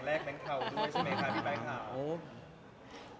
มีแบงค์เทาด้วยใช่ไหมค่ะมีแบงค์เทา